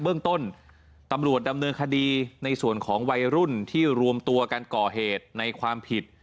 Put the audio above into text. เบื้องต้นตำรวจดำเนินคดีในส่วนของวัยรุ่นที่รวมตัวกันก่อเหตุในความผิด